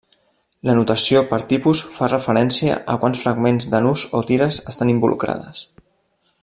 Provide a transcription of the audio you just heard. La notació per tipus fa referència a quants fragments de nus o tires estan involucrades.